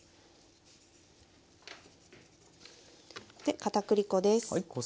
で片栗粉です。